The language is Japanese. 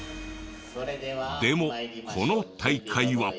でもこの大会は。